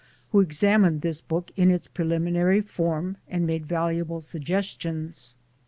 who examined this book in its pre liminary form and made valuable suggestions.